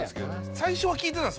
最初は聞いてたんです